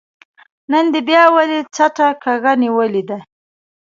نن دې بيا ولې څټه کږه نيولې ده